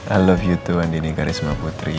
i love you too andini karisma putri